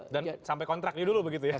dan sampai kontraknya dulu begitu ya